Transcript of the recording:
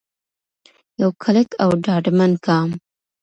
یو کلک او ډاډمن ګام.